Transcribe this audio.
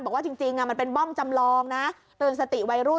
บอกว่าจริงมันเป็นบ้องจำลองนะเตือนสติวัยรุ่น